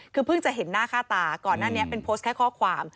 คือเพิ่งจะเห็นหน้าค่าตาก่อนหน้านี้เป็นโพสต์แค่ข้อความ